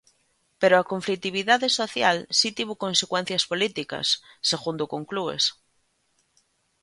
Pero a conflitividade social si tivo consecuencias políticas, segundo conclúes.